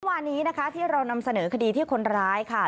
วันนี้นะคะที่เรานำเสนอคดีที่คนร้ายค่ะ